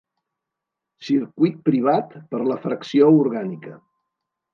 Circuit privat per la Fracció Orgànica.